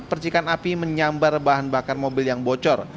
percikan api menyambar bahan bakar mobil yang bocor